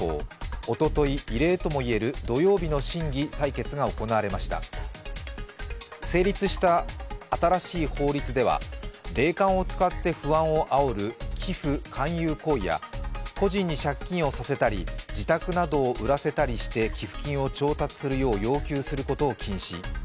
おととい、異例とも言える土曜日の審議、採決が行われました成立した新しい法律では霊感を使って不安をあおる寄付勧誘行為や個人に借金をさせたり自宅などを売らせたりして寄付金を調達するよう要求することを禁止。